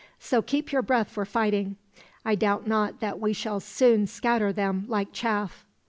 So keep your breath for fighting. I doubt not that we shall soon scatter them like chaff."